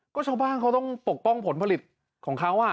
ก็ชาวบ้านเขาต้องปกป้องผลผลิตของเขา